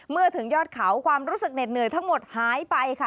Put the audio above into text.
ถึงยอดเขาความรู้สึกเหน็ดเหนื่อยทั้งหมดหายไปค่ะ